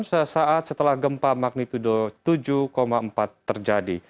sesaat setelah gempa magnitudo tujuh empat terjadi